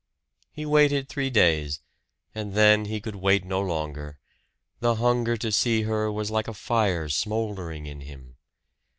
He waited three days; and then he could wait no longer. The hunger to see her was like a fire smoldering in him.